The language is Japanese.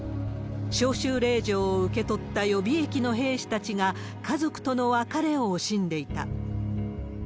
招集令状を受け取った予備役の兵士たちが、家族との別れを惜しんでいた。